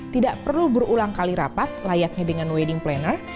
tidak perlu berulang kali rapat layaknya dengan wedding planner